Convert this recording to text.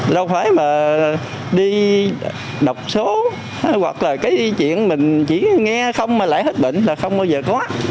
đâu phải mà đi đọc số hoặc là cái y chuyện mình chỉ nghe không mà lại hết bệnh là không bao giờ có